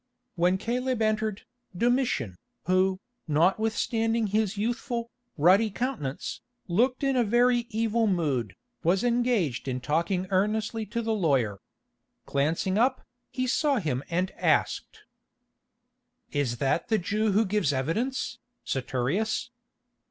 When Caleb entered, Domitian, who, notwithstanding his youthful, ruddy countenance, looked in a very evil mood, was engaged in talking earnestly to the lawyer. Glancing up, he saw him and asked: "Is that the Jew who gives evidence, Saturius?"